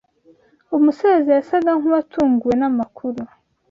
Umusaza yasaga nkuwatunguwe namakuru.